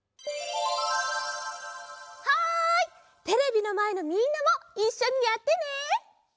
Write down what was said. テレビのまえのみんなもいっしょにやってね。